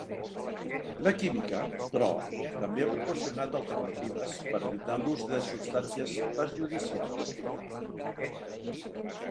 La química, però, també ha proporcionat alternatives per evitar l'ús de substàncies perjudicials.